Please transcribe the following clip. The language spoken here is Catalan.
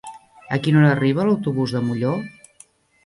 A quina hora arriba l'autobús de Molló?